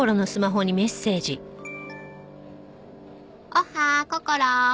「おはーこころ」